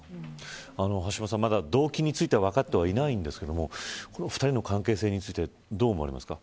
橋下さん、動機については分かっていませんが二人の関係性についてどう思いますか。